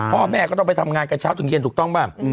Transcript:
พ่อแม่ก็ต้องไปทำงานกันเช้าถึงเย็นถูกต้องป่ะ